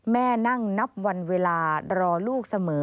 แม่นั่งนับวันเวลารอลูกเสมอ